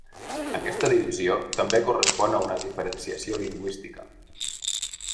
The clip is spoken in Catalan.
Aquesta divisió també correspon a una diferenciació lingüística.